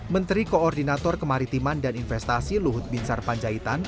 menteri koordinator kemaritiman dan investasi luhut binsar panjaitan